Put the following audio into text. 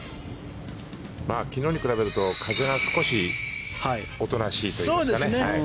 昨日に比べると風が少しおとなしいといいますか。